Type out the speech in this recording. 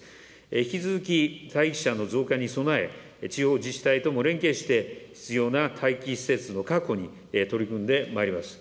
引き続き、待機者の増加に備え、地方自治体とも連携して、必要な待機施設の確保に取り組んでまいります。